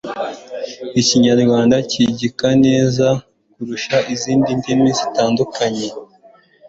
ikinyarwanda kigika neza kurusha izindi ndimi zitandukanye